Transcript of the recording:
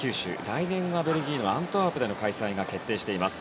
来年はベルギーのアントワープでの開催が決定しています。